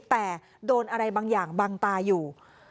แต่โดนอะไรบางอย่างบังตาอยู่